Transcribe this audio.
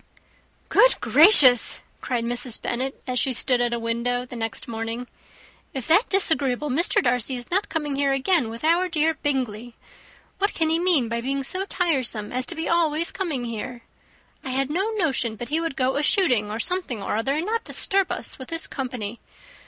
"Good gracious!" cried Mrs. Bennet, as she stood at a window the next morning, "if that disagreeable Mr. Darcy is not coming here again with our dear Bingley! What can he mean by being so tiresome as to be always coming here? I had no notion but he would go a shooting, or something or other, and not disturb us with his company.